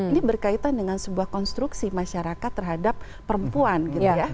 ini berkaitan dengan sebuah konstruksi masyarakat terhadap perempuan gitu ya